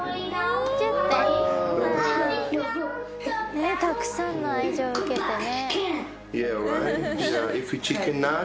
ねったくさんの愛情を受けてね。